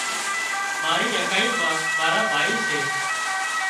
مارِي اڪائي مان مارا ڀائي سي